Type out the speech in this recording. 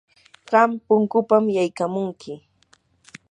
qam punkupam yaykamunki.